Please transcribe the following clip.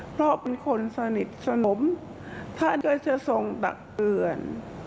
เพราะเป็นคนสนิทสนมท่านก็จะทรงตักเตือน